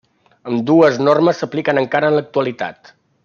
Ambdues normes s'apliquen encara en l'actualitat.